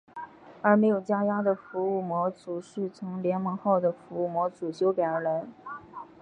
而没有加压的服务模组是从联盟号的服务模组修改而来。